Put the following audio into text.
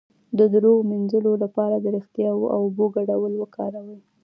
د دروغ د مینځلو لپاره د ریښتیا او اوبو ګډول وکاروئ